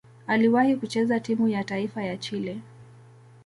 Aliwahi kucheza timu ya taifa ya Chile.